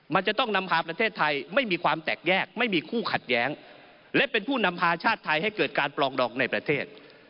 มันจะต้องนำพาประเทศไทยไม่มีความแตกแยกไม่มีคู่ขัดแย้งและเป็นผู้นำพาชาติไทยให้เกิดการปลองดอกในประเทศ